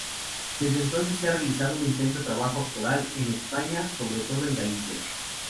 Desde entonces ha realizado un intenso trabajo actoral en España, sobre todo en Galicia.